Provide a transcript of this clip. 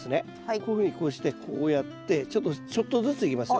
こういうふうにこうしてこうやってちょっとずついきますよ。